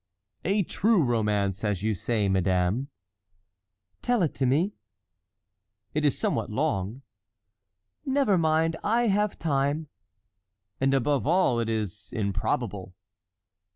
"A true romance, as you say, madame." "Tell it to me." "It is somewhat long." "Never mind, I have time." "And, above all, it is improbable."